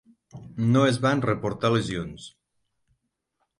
No es van reportar lesions.